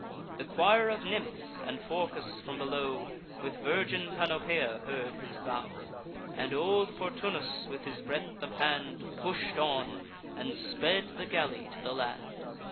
The choir of nymphs, and Phorcus, from below, With virgin Panopea, heard his vow; And old Portunus, with his breadth of hand, Push'd on, and sped the galley to the land.